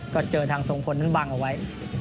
ก็เจอทางทรงพลนั้นบังเอาไว้